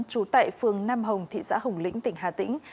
trú tại phường nam hồng thị xã hồng lĩnh tỉnh hà tĩnh